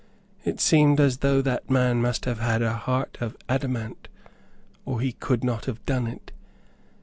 It seemed as though that man must have had a heart of adamant, or he could not have done it.